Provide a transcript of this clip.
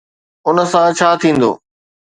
ان سان ڇا ٿيندو؟